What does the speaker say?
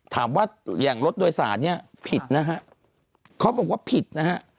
ถามว่าอย่างรถโดยสารเนี่ยผิดนะฮะเขาบอกว่าผิดนะฮะ